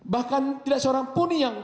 bahkan tidak seorang puni yang